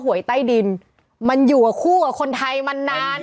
หวยใต้ดินมันอยู่กับคู่กับคนไทยมานาน